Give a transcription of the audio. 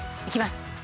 いきます。